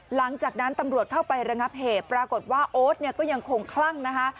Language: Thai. หลังจากนั้นตำรวจเข้าไประงับเหตุปรากฏว่าโอ๊ตเนี่ยก็ยังคงคลั่งนะคะ